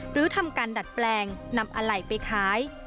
หรือทำการดัดแปลงนำอะไหล่ไปขาย